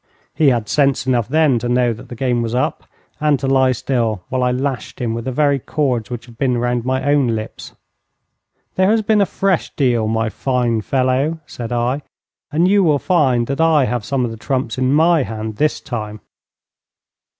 He had sense enough then to know that the game was up, and to lie still while I lashed him with the very cords which had been round my own limbs. 'There has been a fresh deal, my fine fellow,' said I, 'and you will find that I have some of the trumps in my hand this time.'